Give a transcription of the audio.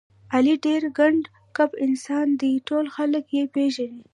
علي ډېر ګنډ کپ انسان دی، ټول خلک یې پېژني.